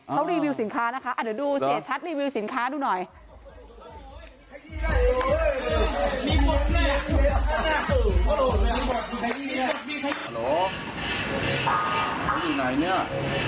เขารีวิวสินค้านะคะเดี๋ยวดูเสียชัดรีวิวสินค้าดูหน่อย